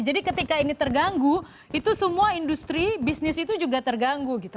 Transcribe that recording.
jadi ketika ini terganggu itu semua industri bisnis itu juga terganggu gitu